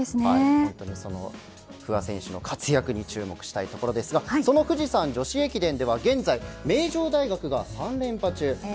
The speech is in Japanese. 本当に不破選手の活躍に注目したいところですがその富士山女子駅伝では現在、名城大学が３連覇中です。